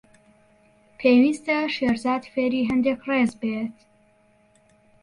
پێویستە شێرزاد فێری هەندێک ڕێز بێت.